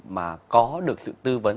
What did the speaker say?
mà có được sự tư vấn